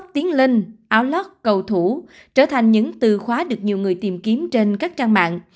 tiếng linh áo lót cầu thủ trở thành những từ khóa được nhiều người tìm kiếm trên các trang mạng